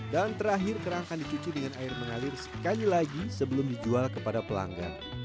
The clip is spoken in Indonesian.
dan terakhir kerang akan dicuci dengan air mengalir sekali lagi sebelum dijual kepada pelanggan